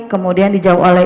kemudian dijawab oleh